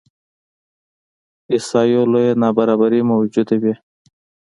احصایو لویه نابرابري موجوده وي.